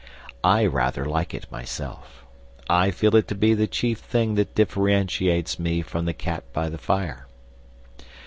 I rather like it myself. I feel it to be the chief thing that differentiates me from the cat by the fire.